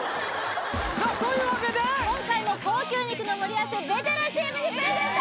さっそういうわけで今回も高級肉の盛り合わせベテランチームにプレゼント！